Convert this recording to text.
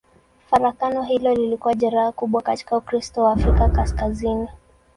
Farakano hilo lilikuwa jeraha kubwa katika Ukristo wa Afrika Kaskazini.